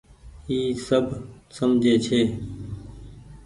اي سب سجهي ڇي۔